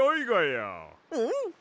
うん！